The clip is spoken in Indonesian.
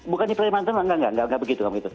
bukan di perairan natuna nggak nggak begitu